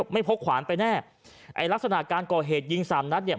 พกขวานไปแน่ไอ้ลักษณะการก่อเหตุยิงสามนัดเนี่ย